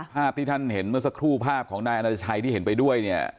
ภาพที่ท่านเห็นเมื่อสักครู่ภาพของนายอนาชัยที่เห็นไปด้วยเนี่ย